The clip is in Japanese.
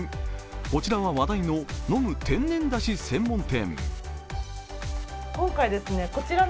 こちらは話題の飲む天然だし専門店。